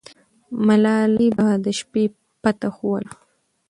ملالۍ به د شپې پته ښووله.